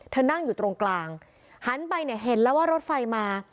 นั่งอยู่ตรงกลางหันไปเนี่ยเห็นแล้วว่ารถไฟมา